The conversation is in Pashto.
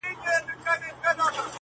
تاج پر سر څپلۍ په پښو توره تر ملاوه-